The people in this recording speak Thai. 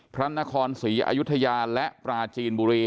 พระนครสิยะยุทยาและปลาจีนบุรี